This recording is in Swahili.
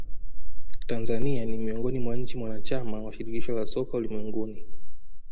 tanzania ni miongoni mwa nchi mwanachama wa shirikisho la soka ulimwenguni